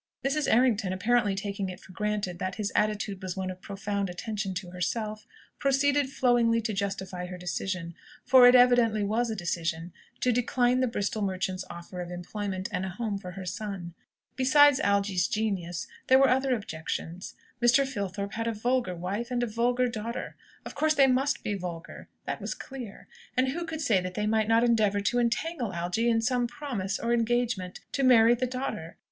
Mrs. Errington, apparently taking it for granted that his attitude was one of profound attention to herself, proceeded flowingly to justify her decision, for it evidently was a decision to decline the Bristol merchant's offer of employment and a home for her son. Besides Algy's "genius," there were other objections. Mr. Filthorpe had a vulgar wife and a vulgar daughter. Of course they must be vulgar. That was clear. And who could say that they might not endeavour to entangle Algy in some promise, or engagement, to marry the daughter?